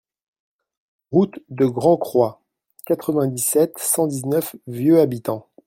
Route de Grand Croix, quatre-vingt-dix-sept, cent dix-neuf Vieux-Habitants